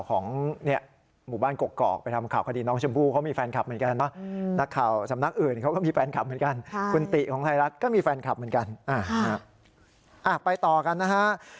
คุณติของไทยรัฐก็มีแฟนคลับเหมือนกันอ่าไปต่อกันนะฮะ